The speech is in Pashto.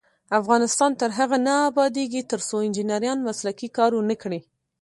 افغانستان تر هغو نه ابادیږي، ترڅو انجنیران مسلکي کار ونکړي.